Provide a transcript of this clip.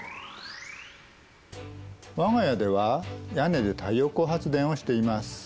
我が家では屋根で太陽光発電をしています。